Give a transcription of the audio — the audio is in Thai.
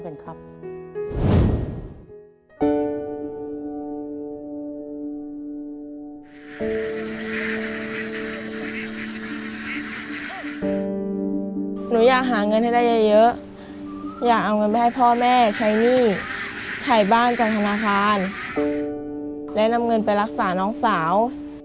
หนูอยากหาเงินให้ได้เยอะอยากเอาเงินไปให้พ่อแม่ใช้หนี้ถ่ายบ้านจากธนาคารและนำเงินไปรักษาน้องสาว